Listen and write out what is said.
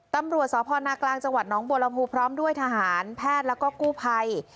ตำรวจสพนจนบพพร้อมด้วยทหารแพทย์แล้วก็กู้ภัย